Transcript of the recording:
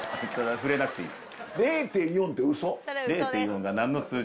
触れなくていいです。